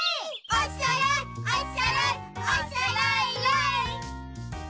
「おそろいおそろいおそろいろい」